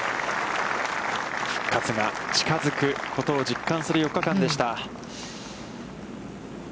復活が近づくことを実感する４日間でした。